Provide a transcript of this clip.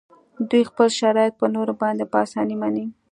دوی خپل شرایط په نورو باندې په اسانۍ مني